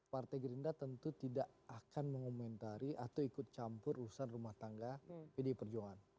partai gerindra tentu tidak akan mengomentari atau ikut campur urusan rumah tangga pdi perjuangan